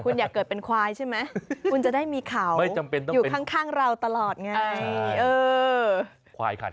เอาล่ะไปดูกันหน่อยโอ้โหท่าหน้าสงสารนะที่ทุกคน